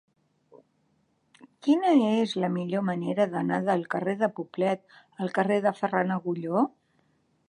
Quina és la millor manera d'anar del carrer de Poblet al carrer de Ferran Agulló?